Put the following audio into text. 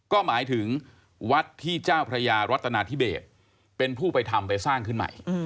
ก็หมายถึงวัดที่เจ้าพระยารัฐนาธิเบสเป็นผู้ไปทำไปสร้างขึ้นใหม่